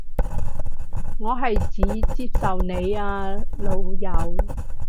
我係指接受你啊老友